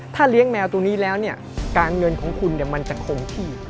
ถ้าเลี้ยงแมวตรงนี้แล้วการเงินของคุณมันจะคงที่